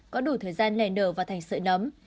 có đủ thời gian lẻ nở và thành sợi nấm